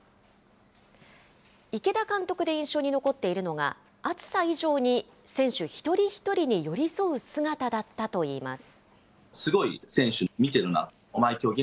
池田監督で印象に残っているのが、熱さ以上に、選手一人一人に寄り添う姿だったといいます。